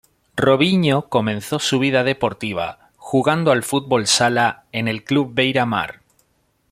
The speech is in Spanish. Robinho comenzó su vida deportiva jugando al fútbol sala en el club Beira-Mar.